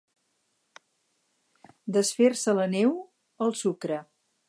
Desfer-se la neu, el sucre.